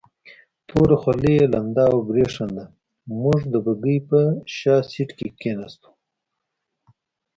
توره خولۍ یې لنده او برېښېده، موږ د بګۍ په شا سیټ کې کېناستو.